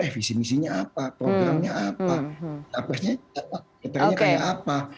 eh visi misinya apa programnya apa capresnya apa kriterianya kayak apa